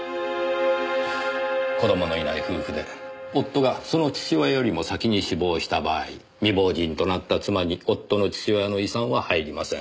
子供のいない夫婦で夫がその父親よりも先に死亡した場合未亡人となった妻に夫の父親の遺産は入りません。